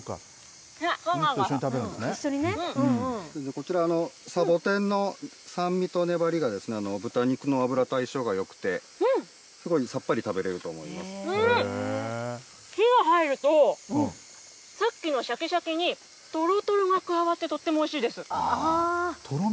こちら、サボテンの酸味と粘りがですね、豚肉の脂と相性がよくて、すごいさっぱり食べれると火が入ると、さっきのしゃきしゃきに、とろとろが加わって、とってもおいしいです。